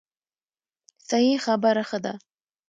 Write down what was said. صحیح خبره ښه ده.